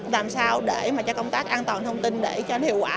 làm sao để cho công tác an toàn thông tin để cho nó hiệu quả